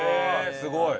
すごい。